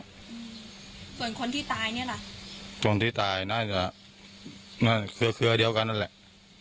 อืมส่วนคนที่ตายเนี้ยล่ะส่วนที่ตายน่าจะเครือเครือเดียวกันนั่นแหละ